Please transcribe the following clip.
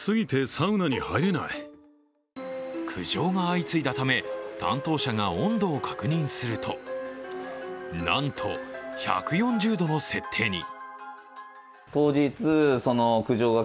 苦情が相次いだため、担当者が温度を確認するとなんと、１４０度の設定に。